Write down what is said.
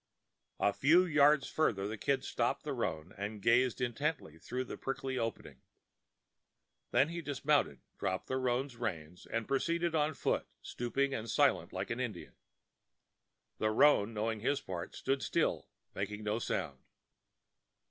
A few yards farther the Kid stopped the roan and gazed intently through the prickly openings. Then he dismounted, dropped the roan's reins, and proceeded on foot, stooping and silent, like an Indian. The roan, knowing his part, stood still, making no sound.